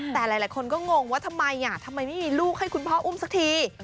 แต่หลายคนก็งงว่าทำไมทำไมไม่มีลูกให้คุณพ่ออุ้มสักที